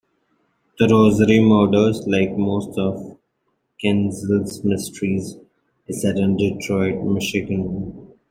The Rosary Murders, like most of Kienzle's mysteries, is set in Detroit, Michigan.